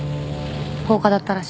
放火だったらしい。